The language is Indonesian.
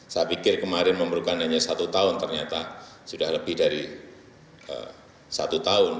saya pikir kemarin memerlukan hanya satu tahun ternyata sudah lebih dari satu tahun